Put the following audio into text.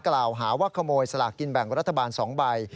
กล่าวหาว่าขโมยสลากกินแบ่งรัฐบาล๒ใบ